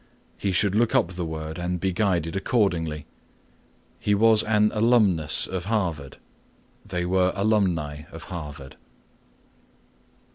He should look up the word and be guided accordingly. "He was an alumnus of Harvard." "They were alumni of Harvard."